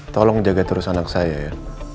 tolong jaga terus anak saya ya